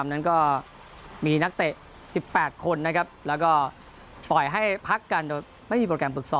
นั้นก็มีนักเตะ๑๘คนนะครับแล้วก็ปล่อยให้พักกันโดยไม่มีโปรแกรมฝึกซ้อม